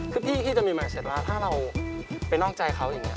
คือพี่จะมีมาเสร็จว่าถ้าเราไปนอกใจเขาอย่างนี้